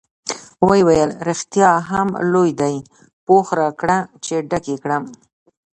ویې ویل: رښتیا هم لوی دی، پوښ راکړه چې ډک یې کړم.